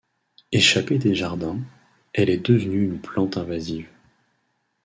Échappée des jardins, elle est devenue une plante invasive.